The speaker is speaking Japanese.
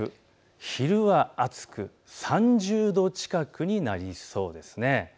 昼は暑く３０度近くになりそうです。